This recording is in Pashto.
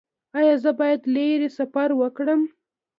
ایا زه باید لرې سفر وکړم؟